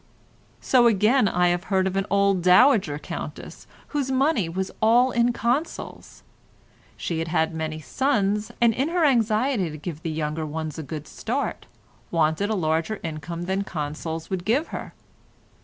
So again I have heard of an old dowager countess whose money was all in Consols; she had had many sons, and in her anxiety to give the younger ones a good start, wanted a larger income than Consols would give her.